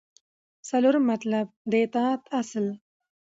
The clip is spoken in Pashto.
څلورم مطلب : د اطاعت اصل